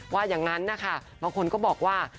ว่าอย่างนั้นนะคะบางคนก็บอกว่า